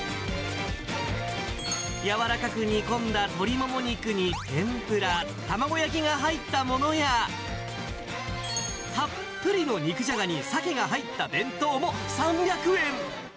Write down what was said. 柔らかく煮込んだ鶏もも肉に天ぷら、卵焼きが入ったものや、たっぷりの肉じゃがにサケが入った弁当も３００円。